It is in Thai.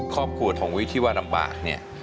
ครอบครัวของวิที่ว่าลำบากเนี่ย